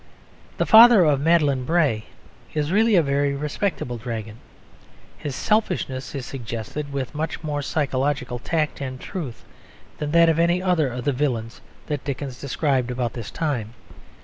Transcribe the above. The father of Madeline Bray is really a very respectable dragon. His selfishness is suggested with much more psychological tact and truth than that of any other of the villains that Dickens described about this time.